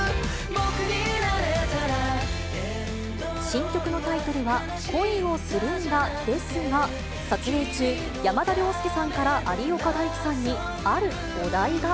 新曲のタイトルは、恋をするんだですが撮影中、山田涼介さんから有岡大貴さんに、あるお題が。